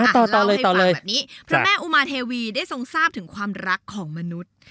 ต่อเลยพระแม่อุมาเทวีได้ทรงทราบถึงความรักของมนุษย์